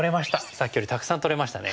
さっきよりたくさん取れましたね。